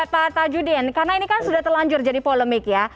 pak tajudin karena ini kan sudah terlanjur jadi polemik ya